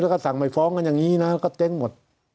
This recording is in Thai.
แล้วก็สั่งไม่ฟ้องกันอย่างนี้นะก็เจ๊งหมด